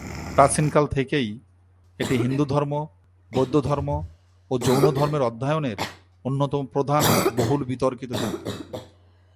প্রাচীন কাল থেকেই এটি হিন্দুধর্ম, বৌদ্ধধর্ম ও জৈনধর্মের অধ্যয়নের অন্যতম প্রধান, বহু বিতর্কিত ক্ষেত্র।